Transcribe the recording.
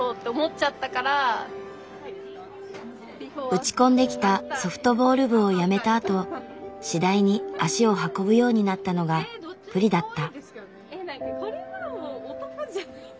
打ち込んできたソフトボール部をやめたあと次第に足を運ぶようになったのがプリだった。